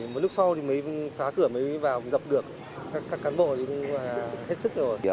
một lúc sau thì phá cửa mới vào dọc được các cán bộ cũng hết sức rồi